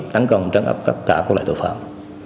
tăng cầm trắng ấp các tạ của loại tội phạm